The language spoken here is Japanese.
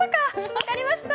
分かりました。